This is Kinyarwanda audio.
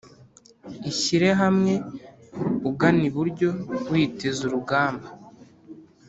Ishyire hamwe ugana iburyo witeze urugamba